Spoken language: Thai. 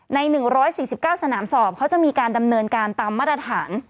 ใน๑๔๙สนามสอบเขาจะมีการดำเนินการตามมาตรฐาน